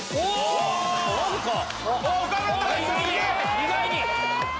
意外に。